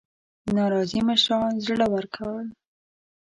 ناراضي مشران زړه ورکړل.